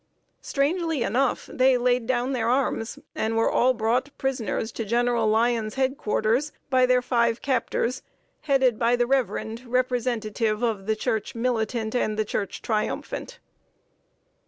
Strangely enough, they laid down their arms, and were all brought, prisoners, to General Lyon's head quarters by their five captors, headed by the reverend representative of the Church militant and the Church triumphant.